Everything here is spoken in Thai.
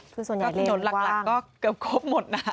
คือส่วนใหญ่เรนมันกว้างก็ถนนหลักหลักก็เกือบครบหมดน่ะ